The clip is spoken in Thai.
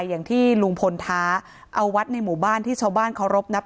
อย่างที่ลุงพลท้าเอาวัดในหมู่บ้านที่ชาวบ้านเคารพนับ